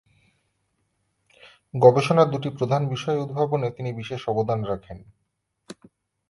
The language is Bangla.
গবেষণার দুটি প্রধান বিষয় উদ্ভাবনে তিনি বিশেষ অবদান রাখেন।